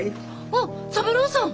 あっ三郎さん！